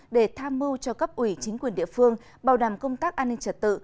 để tham mưu cho cấp ủy chính quyền địa phương bảo đảm công tác an ninh trật tự